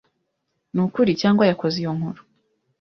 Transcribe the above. Nukuri cyangwa yakoze iyo nkuru?